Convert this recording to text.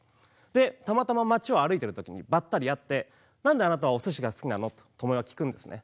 で、たまたま町を歩いてるときにばったり歩いてなんであなたはおすしがすきなの？とともよは聞くんですね。